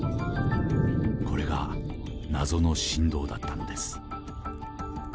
これが謎の震動だったのです。